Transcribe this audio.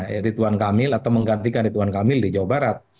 ya ridwan kamil atau menggantikan rituan kamil di jawa barat